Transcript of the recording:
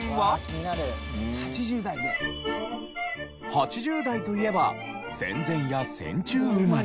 ８０代といえば戦前や戦中生まれで。